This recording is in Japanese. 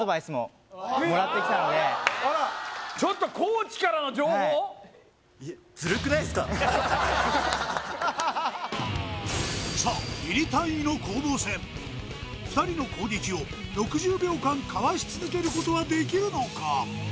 ちょっとさあミリ単位の攻防戦２人の攻撃を６０秒間かわし続けることはできるのか